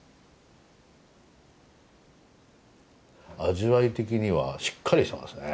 味わい的にはしっかりしてますね。